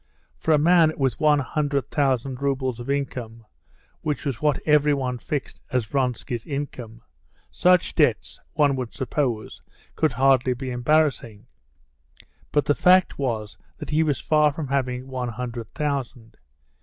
For a man with one hundred thousand roubles of revenue, which was what everyone fixed as Vronsky's income, such debts, one would suppose, could hardly be embarrassing; but the fact was that he was far from having one hundred thousand.